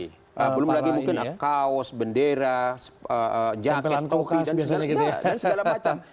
nah belum lagi mungkin nah kaos bendera jaket kopi dan segala macam